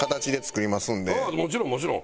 うんもちろんもちろん！